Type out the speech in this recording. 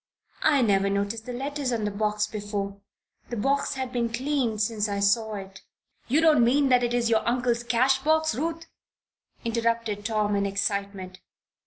"I never noticed the letters on the box before. The box has been cleaned since I saw it " "You don't mean that it is your uncle's cash box, Ruth?" interrupted Tom, in excitement.